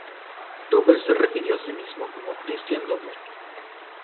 Doppler se refirió a sí mismo como Christian Doppler.